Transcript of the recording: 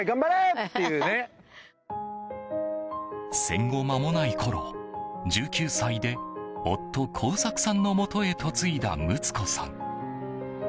戦後間もないころ１９歳で夫・耕作さんのもとへ嫁いだ睦子さん。